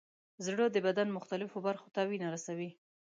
زړه د بدن مختلفو برخو ته وینه رسوي.